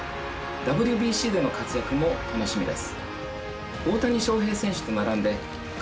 ＷＢＣでの活躍も楽しみです。